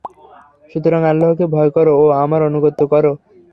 সুতরাং আল্লাহকে ভয় কর ও আমার আনুগত্য কর।